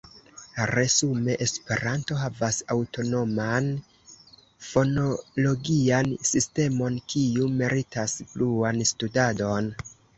Resume, Esperanto havas aŭtonoman fonologian sistemon, kiu meritas pluan studadon.